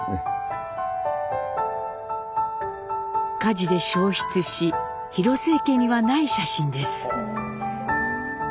火事で焼失し広末家にはない写真です。